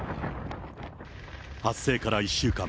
発生から１週間。